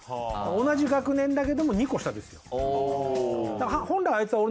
同じ学年だけども２個下ですよ。